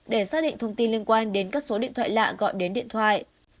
để xác định thông tin liên quan đến các số điện thoại lạ gọi đến điện thoại